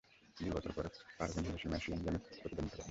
দুই বছর পর, পারভীন হিরোশিমা এশিয়ান গেমসে প্রতিদ্বন্দ্বিতা করেন।